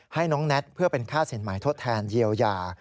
ให้น้องแน็ตเพื่อเป็นค่าสินหมายทดแทนเยียวยา